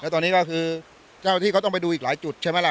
ตอนนี้ก็คือเจ้าที่เขาต้องไปดูอีกหลายจุดใช่ไหมล่ะ